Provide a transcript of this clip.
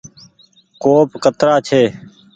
ڪوپ ڪترآ ڇي۔